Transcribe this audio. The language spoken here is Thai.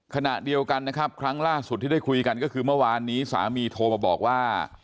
ขณะเดียวกันนะครับครั้งล่าสุดที่ได้คุยกันก็คือเมื่อวานนี้สามีโทรมาบอกว่า